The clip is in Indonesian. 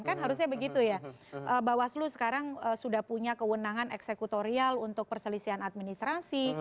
kan harusnya begitu ya bawaslu sekarang sudah punya kewenangan eksekutorial untuk perselisihan administrasi